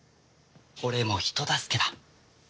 これも人助けだ。